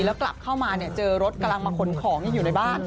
แล้วกลับเข้ามาเนี่ยเจอรถกำลังมาขนของอยู่ในบ้าน